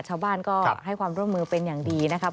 ชาวบ้านก็ให้ความร่วมมือเป็นอย่างดีนะครับ